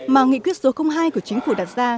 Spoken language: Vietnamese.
mà nghị quyết số hai của chính phủ đặt ra